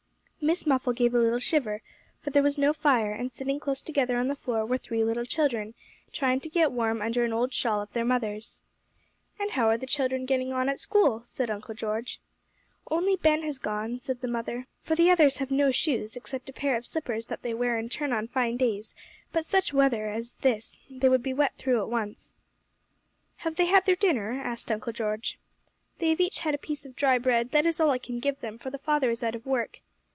Miss Muffle gave a little shiver, for there was no fire, and sitting close together on the floor were three little children, trying to get warm under an old shawl of their mother's. 'And how are the children getting on at school?' said Uncle George. 'Only Ben has gone,' said the mother, 'for the others have on shoes, except a pair of slippers that they wear in turn on fine days, but such weather as this they would be wet through at once.' 'Have they had their dinner?' asked Uncle George. 'They have each had a piece of dry bread; that is all I can give them, for the father is out of work.